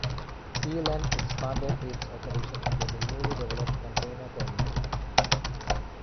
SeaLand expanded its operations into the newly developed container terminal.